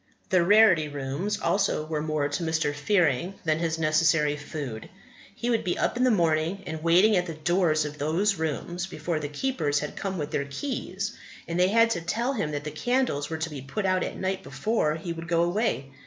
The Rarity Rooms also were more to Mr. Fearing than his necessary food. He would be up in the morning and waiting at the doors of those rooms before the keepers had come with their keys. And they had to tell him that the candles were to be put out at night before he would go away.